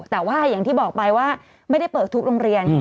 แต่ว่าอย่างที่บอกไปว่าไม่ได้เปิดทุกโรงเรียน